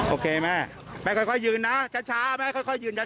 โอเคแม่ไม่ค่อยยืนนะช้าแม่ค่อยยืนยัน